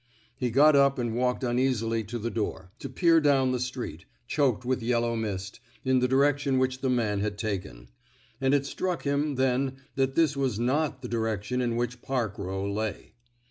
'' He got up and walked uneasily to the door, to peer down the street — choked with yellow mist — in the direction which the man had taken. And it struck him, then, that this was not the direction in which Park Eow lay.